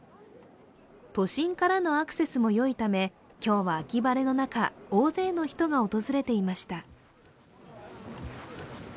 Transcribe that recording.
都心からのアクセスもよいため今日は秋晴れの中大勢の人が訪れていました。